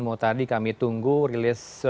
mau tadi kami tunggu rilis